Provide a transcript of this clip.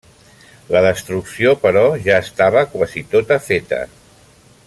La destrucció però ja estava quasi tota feta.